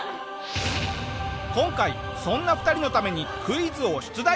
今回そんな２人のためにクイズを出題。